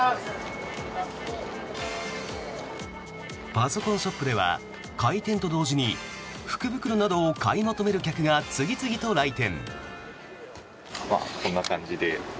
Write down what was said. パソコンショップでは開店と同時に福袋などを買い求める客が次々と来店。